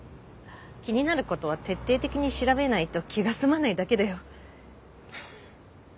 気になることは徹底的に調べないと気が済まないだけだよ。